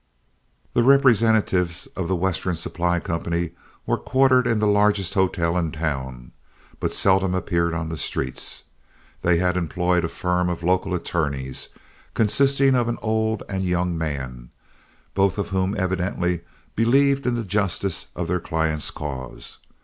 The representatives of The Western Supply Company were quartered in the largest hotel in town, but seldom appeared on the streets. They had employed a firm of local attorneys, consisting of an old and a young man, both of whom evidently believed in the justice of their client's cause.